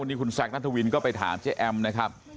วันนี้คุณแซคนัทวินก็ไปถามเจ๊แอมนะครับ